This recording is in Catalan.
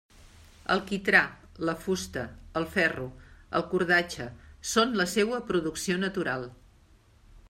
El quitrà, la fusta, el ferro, el cordatge són la seua producció natural.